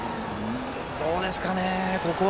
どうですかね。